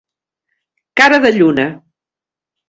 Cara de lluna.